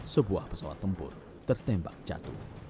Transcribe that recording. sebuah pesawat tempur tertembak jatuh